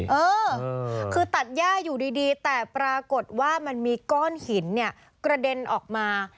เออคือตัดย่าอยู่ดีแต่ปรากฏว่ามันมีก้อนหินเนี่ยกระเด็นออกมา